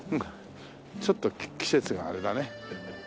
ちょっと季節があれだね。